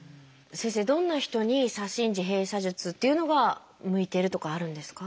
先生どんな人に左心耳閉鎖術っていうのが向いているとかあるんですか？